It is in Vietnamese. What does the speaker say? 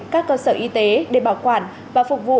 các cơ sở y tế để bảo quản và phục vụ